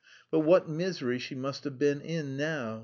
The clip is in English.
But what misery she must have been in now!